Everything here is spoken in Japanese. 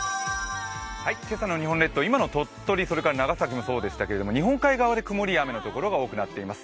今朝の日本列島、今の鳥取、それから長崎もそうでしたけど日本海側で曇りや雨のところが多くなっています。